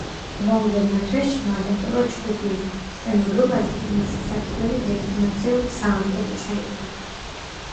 მომდევნო თვეში მან დატოვა ჯგუფი, შემოდგომაზე კი მისი სატელევიზიო კომერციული საუნდტრეკი ჩაიწერა.